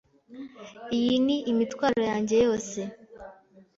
Iyi ni imitwaro yanjye yose.